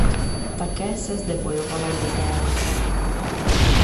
Také se zde bojovalo nejdéle.